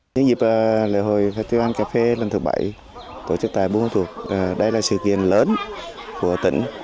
những dịp lễ hội cà phê lần thứ bảy tổ chức tại buôn ma thuật đây là sự kiện lớn của tỉnh